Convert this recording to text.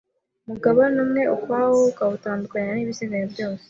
umugabane umwe ukwawo ukawutandukanya n’ibisigaye byose.